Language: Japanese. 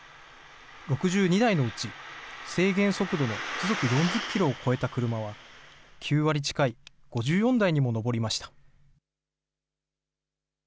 ６２台のうち、制限速度の時速４０キロを超えた車は、９割近い５４台にも上りました。